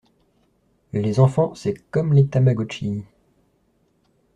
Les enfants c'est comme les tamagotchi.